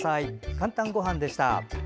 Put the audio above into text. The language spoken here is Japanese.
「かんたんごはん」でした。